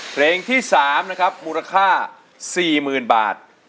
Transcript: เพลงที่๓นะครับมูลค่า๔๐๐๐บาท